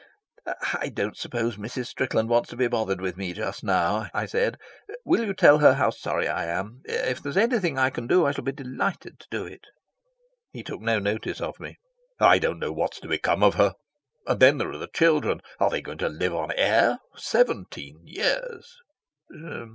"I don't suppose Mrs. Strickland wants to be bothered with me just now," I said. "Will you tell her how sorry I am? If there's anything I can do. I shall be delighted to do it." He took no notice of me. "I don't know what's to become of her. And then there are the children. Are they going to live on air? Seventeen years."